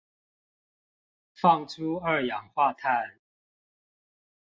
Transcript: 放出二氧化碳